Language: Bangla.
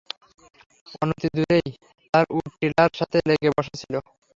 অনতি দূরেই তার উট টিলার সাথে লেগে বসা ছিল।